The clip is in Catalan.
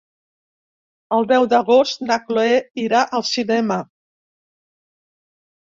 El deu d'agost na Chloé irà al cinema.